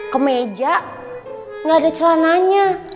kemeja gak ada celananya